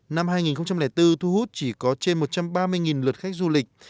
năm hai nghìn bốn thu hút chỉ có trên một trăm ba mươi lượt khách du lịch